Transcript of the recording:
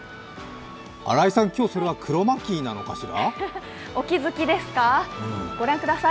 今日、それはクロマキーなのかしら？